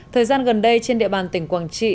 thời gian gần đây trên địa bàn tỉnh quảng trị